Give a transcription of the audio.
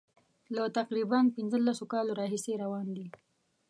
له تقریبا پنځلسو کالو راهیسي روان دي.